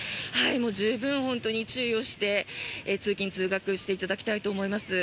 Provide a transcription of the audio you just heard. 十分本当に注意して通勤・通学していただきたいと思います。